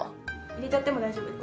入れちゃっても大丈夫です。